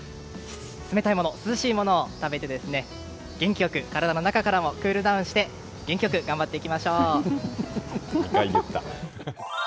冷たいもの、涼しいものを食べて元気良く体の中からもクールダウンして元気良く頑張っていきましょう！